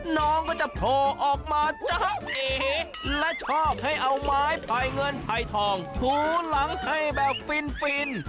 น้องก็จะโผล่ออกมาจ๊ะเอและชอบให้เอาไม้ไผ่เงินไผ่ทองถูหลังให้แบบฟินฟิน